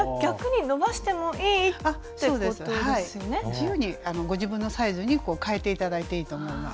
自由にご自分のサイズに変えて頂いていいと思います。